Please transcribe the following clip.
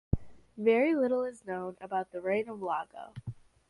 Very little is known about the reign of Iago.